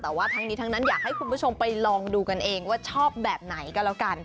แต่ว่าทั้งนี้ทั้งนั้นอยากให้คุณผู้ชมไปลองดูกันเองว่าชอบแบบไหนก็แล้วกัน